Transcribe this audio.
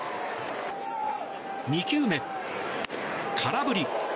２球目、空振り。